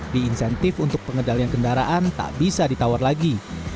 diinsentif untuk pengendalian kendaraan tak bisa ditawar lagi